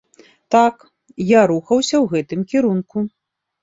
Так, я рухаўся ў гэтым кірунку!